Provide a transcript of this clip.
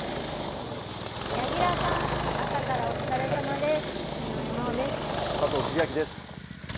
柳楽さん、朝からお疲れさまです。